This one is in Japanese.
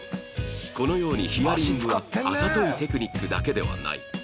このようにヒアリングはあざといテクニックだけではない